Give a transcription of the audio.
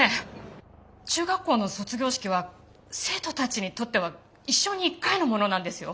中学校の卒業式は生徒たちにとっては一生に一回のものなんですよ？